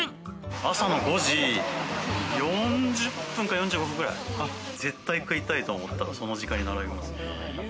朝の５時４０分か、４５分くらい、絶対食いたいと思ったら、その時間に並びますね。